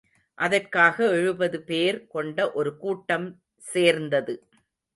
அதற்காக எழுபது பேர் கொண்ட ஒரு கூட்டம் சேர்ந்தது.